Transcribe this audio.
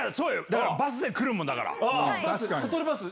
だからバスで来るもん、だから。